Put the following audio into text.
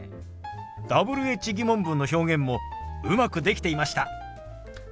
Ｗｈ−疑問文の表現もうまくできていました。